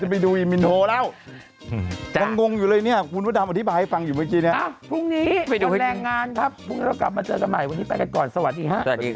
โปรดติดตามตอนต่อไป